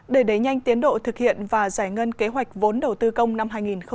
để đẩy nhanh tiến độ thực hiện và giải ngân kế hoạch vốn đầu tư công năm hai nghìn hai mươi